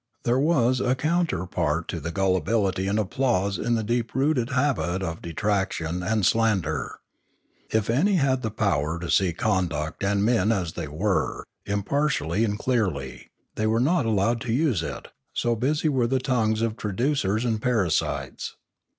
There was a counterpart to the gullibility and applause in the deep rooted habit of detraction and slander. If any had the power to see conduct and men as they were, impartially and clearly, they were not al 578 Limanora lowed to use it, so busy were the tongues of traducers and parasites.